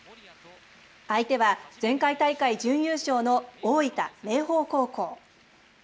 相手は前回大会準優勝の大分、明豊高校。